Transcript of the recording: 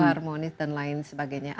harmonis dan lain sebagainya